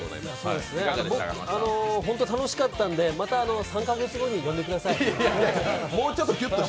ホント、楽しかったんでまた３か月後に呼んでください。